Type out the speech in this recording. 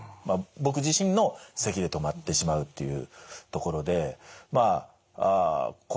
僕自身のせきで止まってしまうっていうところで。